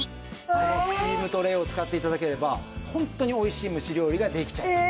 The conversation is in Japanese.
このスチームトレーを使って頂ければホントにおいしい蒸し料理ができちゃう。